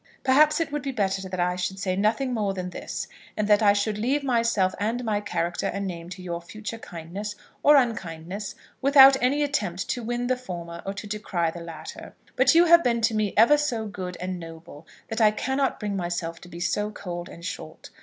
Perhaps it would be better that I should say nothing more than this, and that I should leave myself and my character and name to your future kindness, or unkindness, without any attempt to win the former or to decry the latter; but you have been to me ever so good and noble that I cannot bring myself to be so cold and short.